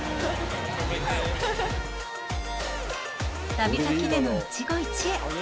旅先での一期一会。